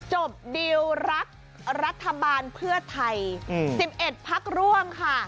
ดิวรักรัฐบาลเพื่อไทย๑๑พักร่วมค่ะ